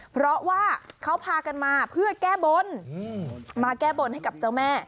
เพราะว่าเขาพากันมาเพื่อแก้บนมาแก้บนให้กับเจ้าแม่